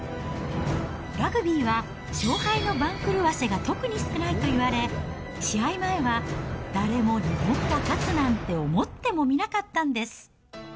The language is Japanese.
ラグビーは勝敗の番狂わせが特に少ないといわれ、試合前は誰も日本が勝つなんて思ってもみなかったんです。